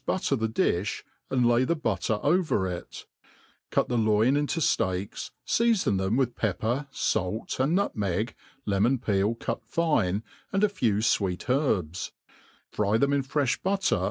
bujtter the difh^ and lay the butter over it t cut the loin into (!eaks, (feafon ihem "with ^ep ^er, fait, and nutmeg,, lemon peel cut fine, aiid a ftvr fwect herbs j fry them in frefh butter.